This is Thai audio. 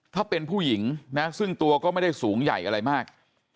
ถ้าเป็นผู้หญิงนะซึ่งตัวก็ไม่ได้สูงใหญ่อะไรมาก